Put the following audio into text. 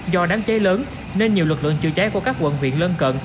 do đáng cháy lớn nên nhiều lực lượng chữa cháy của các quận viện lân cận